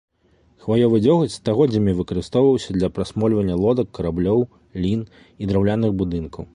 Хваёвы дзёгаць стагоддзямі выкарыстоўваўся для прасмольвання лодак, караблёў, лін і драўляных будынкаў.